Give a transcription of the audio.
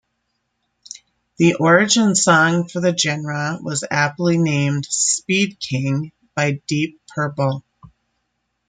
The origin song for the genre was aptly named "Speed King" by Deep Purple.